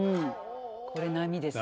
これ波ですね。